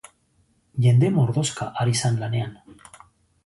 Jende mordoska ari zan lanean.